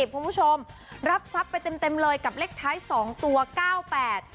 คุณผู้ชมรับทรัพย์ไปเต็มเต็มเลยกับเลขท้ายสองตัวเก้าแปด